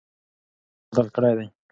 ثنا نوم بدل کړی دی.